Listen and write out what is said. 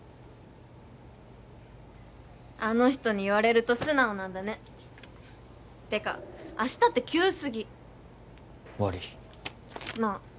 あの人に言われると素直なんだねてか明日って急すぎ悪いまあ